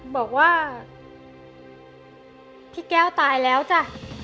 บอกว่าพี่แก้วตายแล้วจ้ะ